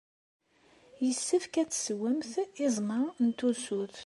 Yessefk ad teswemt iẓem-a n tusut.